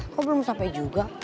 kok belum sampai juga